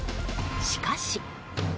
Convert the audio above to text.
しかし。